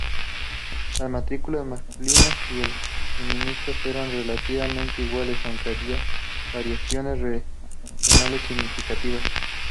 Las matrículas masculinas y femeninas eran relativamente iguales, aunque había variaciones regionales significativas.